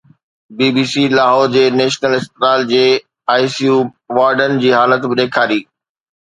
بي B C Lahore جي national اسپتال جي آءِ سي يو وارڊن جي حالت به ڏيکاري